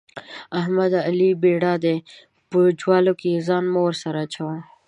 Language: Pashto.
احمده؛ علي بېړا دی - په جوال کې ځان مه ورسره اچوه.